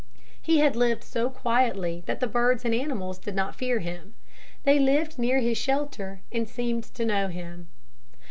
He had lived so quietly that the birds and animals did not fear him. They lived near his shelter and seemed to know him.